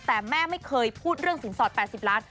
แต่แม่ไม่เคยพูดเรื่องสินสอด๘๐ล้าน